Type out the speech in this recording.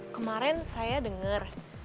kemaren saya denger